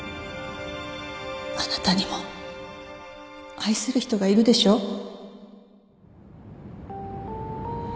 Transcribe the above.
あなたにも愛する人がいるでしょ？